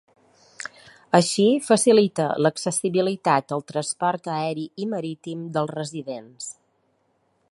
Així facilita l’accessibilitat al transport aeri i marítim dels residents.